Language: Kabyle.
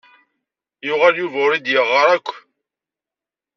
Yuɣal Yuba ur iyi-d-yeɣɣar akk.